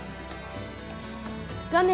画面